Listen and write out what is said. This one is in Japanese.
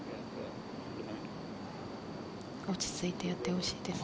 落ち着いてやってほしいですね。